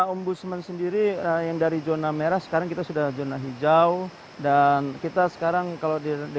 ombudsman sendiri yang dari zona merah sekarang kita sudah zona hijau dan kita sekarang kalau di